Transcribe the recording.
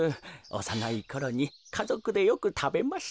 おさないころにかぞくでよくたべました。